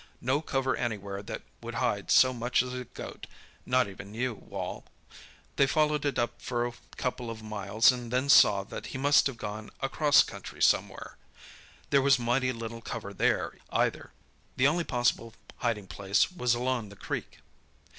No cover anywhere that would hide so much as a goat—not even you, Wal! They followed it up for a couple of miles, and then saw that he must have gone across country somewhere. There was mighty little cover there, either. The only possible hiding place was along the creek.